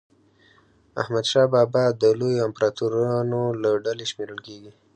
حمدشاه بابا د لویو امپراطورانو له ډلي شمېرل کېږي.